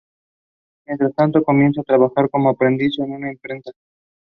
Mientras tanto comienza a trabajar como aprendiz en una imprenta.